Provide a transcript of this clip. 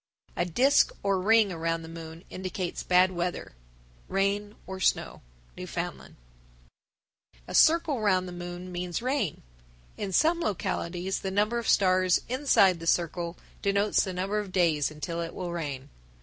A disk or ring around the moon indicates bad weather (rain or snow). Newfoundland. 996. A circle round the moon means rain. In some localities the number of stars inside the circle denotes the number of days until it will rain.